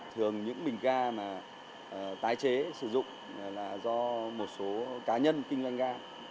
thường những bình ga mà tái chế sử dụng là do một số cá nhân kinh doanh ga